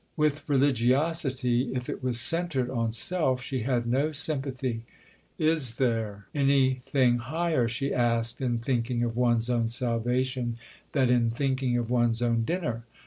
With religiosity, if it was centred on self, she had no sympathy. "Is there anything higher," she asked, "in thinking of one's own salvation than in thinking of one's own dinner?